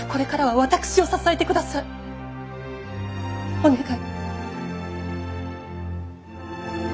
お願い。